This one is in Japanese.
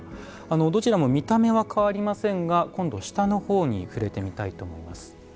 どちらも見た目は変わりませんが今度下の方に触れてみたいと思います。